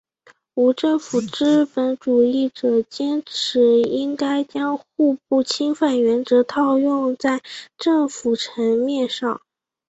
无政府资本主义者坚持应该将互不侵犯原则套用在政府层面上。